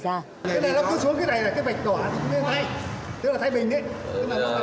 cái này nó cứ xuống cái này là cái vạch đỏ ở bên đây tức là thay bình đấy